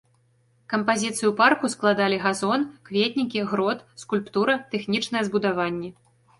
Кампазіцыю парку складалі газон, кветнікі, грот, скульптура, тэхнічныя збудаванні.